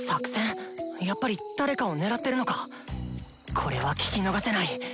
⁉これは聞き逃せない！